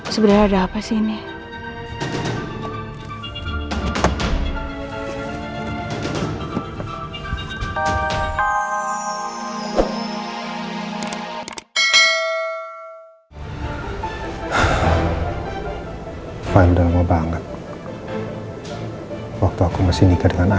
sebenernya ada apa sih ini